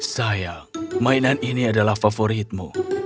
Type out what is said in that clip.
sayang mainan ini adalah favoritmu